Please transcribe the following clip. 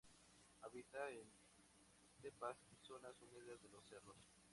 Habita en estepas y zonas húmedas de los cerros.